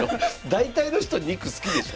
大体の人肉好きでしょ。